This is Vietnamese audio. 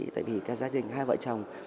tại vì gia đình hai vợ chồng